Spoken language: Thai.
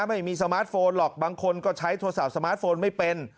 ไม่มีสมาร์ทโฟนหรอกบางคนก็ใช้โทรศัพท์สมาร์ทโฟนไม่เป็น